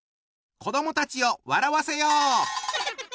子どもたちを笑わせよう！